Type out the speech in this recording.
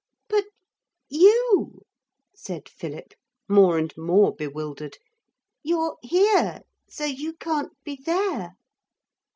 '] 'But you,' said Philip, more and more bewildered. 'You're here. So you can't be there.'